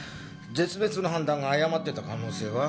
絶滅の判断が誤っていた可能性は？